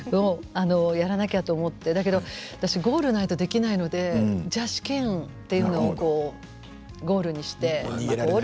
やらなきゃと思って私はゴールがないとできないので試験というのをゴールにして。